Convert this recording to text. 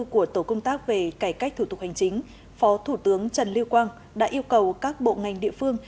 của tổ công tác về cải cách thủ tục hành chính phó thủ tướng trần lưu quang đã yêu cầu các bộ ngành địa phương